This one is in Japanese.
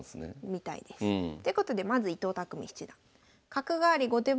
みたいです。ということでまず伊藤匠七段。